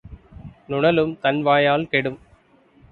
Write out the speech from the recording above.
நுணலும் தன் வாயால் கெடும்.